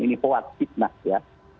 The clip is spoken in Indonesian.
ini pewakit mas ya